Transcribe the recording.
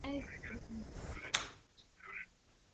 na Wayahudi haki ya kutumia sheria zao za jadi